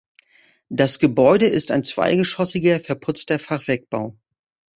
Das Gebäude ist ein zweigeschossiger verputzter Fachwerkbau.